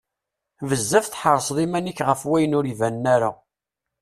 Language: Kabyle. Bezzaf tḥerseḍ iman-ik ɣef wayen ur ibanen ara.